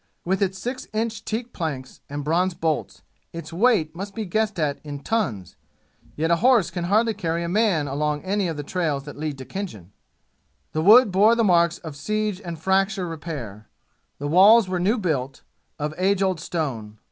With its six inch teak planks and bronze bolts its weight must be guessed at in tons yet a horse can hardly carry a man along any of the trails that lead to Khinjan! The wood bore the marks of siege and fracture and repair. The walls were new built, of age old stone.